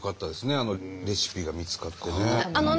あのレシピが見つかってね。